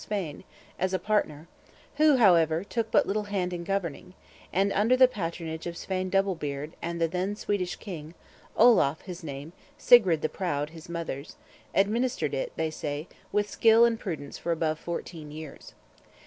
Svein, as partner, who, however, took but little hand in governing; and, under the patronage of Svein Double Beard and the then Swedish king (Olaf his name, Sigrid the Proud, his mother's), administered it, they say, with skill and prudence for above fourteen years.